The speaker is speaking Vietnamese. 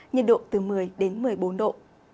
nhiệt độ từ một mươi một mươi bốn độ